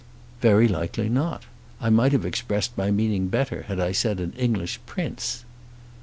"Very likely not. I might have expressed my meaning better had I said an English Prince."